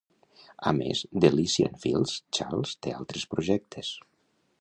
A més d'Elysian Fields, Charles té altres projectes.